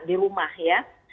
di rumah ya